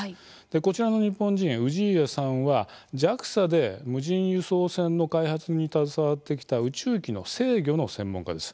こちらの日本人、氏家さんはＪＡＸＡで無人輸送船の開発に携わってきた宇宙機の制御の専門家です。